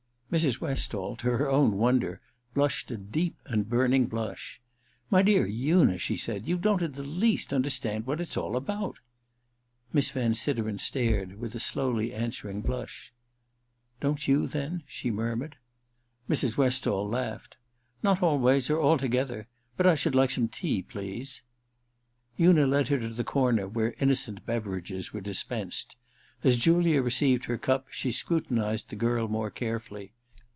Mrs. Westall, to her own wonder, blushed a deep and burning blush. * My dear Una,' she said, * you don't in the least understand what it's all about 1 ' Miss Van Sideren stared, with a slowly answering blush. * Don't you^ then ?' she murmured. Mrs. Westall laughed. *Not always — or altogether ! But I should like some tea, please.' Una led her to the corner where innocent beverages were dispensed. As Julia received her cup she scrutinized the girl more carefully.